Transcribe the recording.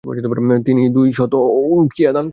তিনি দুই শত উকিয়া দান করলেন।